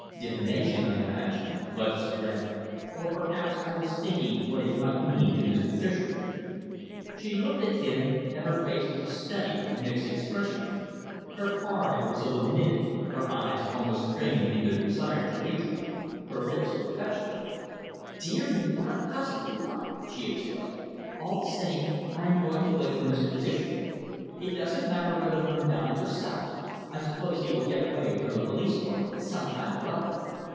"Divination, I imagine," Lutchester answered, "or perhaps I was thinking what it might mean to Mr. Fischer." She looked at him and her face was a study in mixed expressions. Her forehead was a little knitted, her eyes almost strained in their desire to read him; her lips were petulant. "Dear me, what a puzzle you are!" she exclaimed. "All the same, I am going to wait for Mr. Fischer. It doesn't matter whether one dines or sups. I suppose he will get away from the police court sometime or other."